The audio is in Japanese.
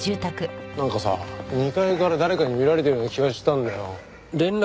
うんなんかさ２階から誰かに見られてるような気がしたんだよな。